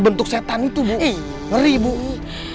tengok nanti ga bisa razmend pak